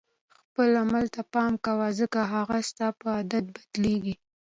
خپل عمل ته پام کوه ځکه هغه ستا په عادت بدلیږي.